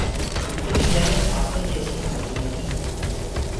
دوسري ولينٚ گھاسو جيسونٚ هونديو هينٚ۔